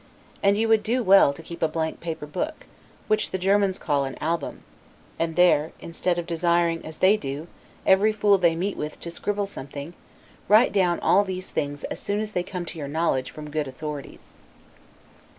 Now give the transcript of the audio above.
And you would do well to keep a blank paper book, which the Germans call an ALBUM; and there, instead of desiring, as they do, every fool they meet with to scribble something, write down all these things as soon as they come to your knowledge from good authorities.